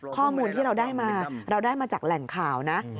ข้อมูลที่เราได้มาเราได้มาจากแหล่งข่าวนะ